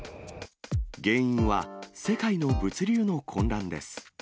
原因は、世界の物流の混乱です。